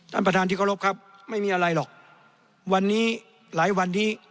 ท่านประธานที่เคารพครับไม่มีอะไรหรอกวันนี้หลายวันนี้